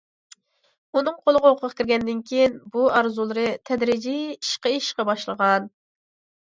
ئۇنىڭ قولىغا ھوقۇق كىرگەندىن كېيىن، بۇ ئارزۇلىرى تەدرىجىي ئىشقا ئېشىشقا باشلىغان.